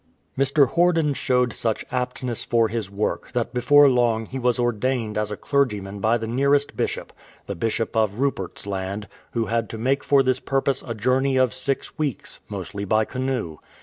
Mr. Horden showed such aptness for his work that before long he was ordained as a clergyman by the nearest bishop — the Bishop of Rupert*'s Land, who had to make for this purpose a journey of six weeks, mostly by canoe.